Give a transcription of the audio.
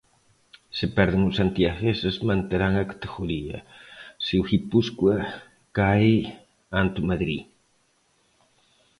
Se perden os santiagueses manterán a categoría, se o Guipúscoa cae ante o Madrid.